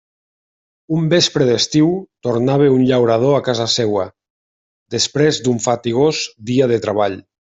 Un vespre d'estiu tornava un llaurador a casa seua, després d'un fatigós dia de treball.